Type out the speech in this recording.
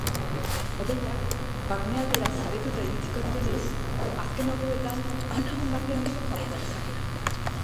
Hodeiak barnealdera saretuta iritsiko direnez, azken orduetan punturen batean izotza bota dezake.